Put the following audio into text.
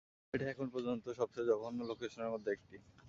এটা এখন পর্যন্ত সবচেয়ে জঘন্য লোকেশনের মধ্যে একটি।